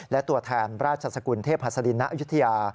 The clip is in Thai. และตัวแทนราชสกุลเทพหัสดินณอายุทยา